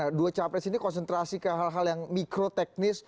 karena dua cawapres ini konsentrasi ke hal hal yang mikro teknis